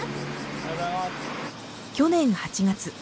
去年８月。